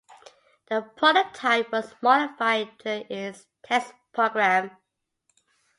The prototype was modified during its test program.